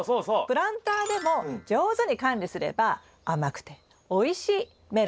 プランターでも上手に管理すれば甘くておいしいメロンを作れます。